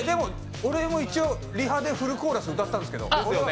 俺も一応リハでフルコーラス歌ったんですけど。